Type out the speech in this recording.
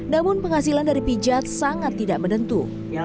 namun penghasilan dari pijat sangat tidak menentu